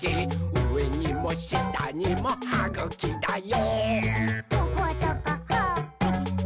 うえにもしたにもはぐきだよ！」